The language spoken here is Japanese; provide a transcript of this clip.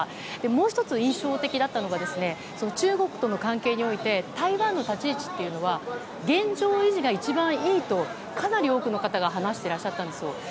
もう１つ、印象的だったのが中国との関係において台湾の立ち位置は現状維持が一番いいとかなり多くの方が話していらっしゃったんです。